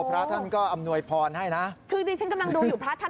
พระท่านก็อำนวยพรให้นะคือดิฉันกำลังดูอยู่พระท่าน